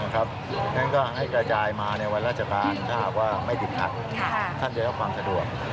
เพราะฉะนั้นก็ให้กระจายมาในวันราชการถ้าหากว่าไม่อึดอัดท่านจะรับความสะดวก